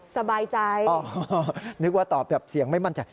สบายใจนึกว่าตอบแบบเสียงไม่มั่นใจ